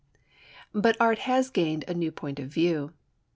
] But art has gained a new point of view.